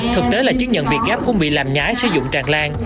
thực tế là chứng nhận việt gáp cũng bị làm nhái sử dụng tràn lan